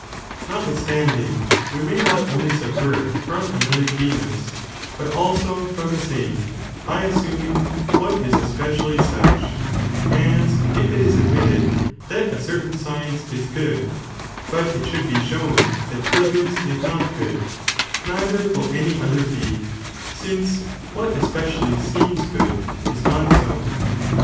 i aint νῶν Notwithstanding, we may not only subvert from subvert not another genus, but also from the same, by as Ot tatfhen suming what is especially such ; as if it is admitted the same ge that a certain science is good, but it should be a shown that prudence is not good, neither will any 0 other be, since what especially seems (good) is thing is done. ποῦ (so).